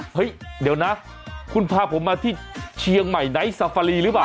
เฮ้ยเดี๋ยวนะคุณพาผมมาที่เชียงใหม่ไนท์ซาฟารีหรือเปล่า